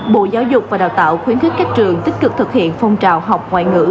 bộ giáo dục và đào tạo khuyến khích các trường tích cực thực hiện phong trào học ngoại ngữ